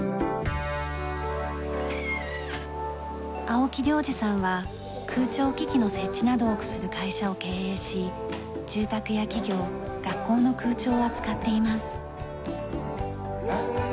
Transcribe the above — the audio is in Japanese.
青木良二さんは空調機器の設置などをする会社を経営し住宅や企業学校の空調を扱っています。